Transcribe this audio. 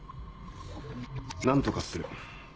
何とかする。